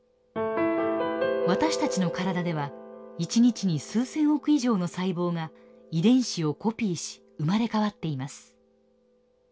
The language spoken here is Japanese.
私たちの体では一日に数千億以上の細胞が遺伝子をコピーし生まれ変わっています。